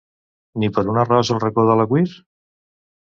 Ni per un arròs al Racó de l'Agüir?